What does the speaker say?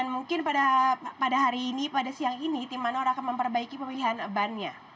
mungkin pada hari ini pada siang ini tim manor akan memperbaiki pemilihan bannya